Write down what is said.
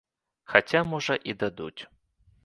Хаця, можа, і дадуць.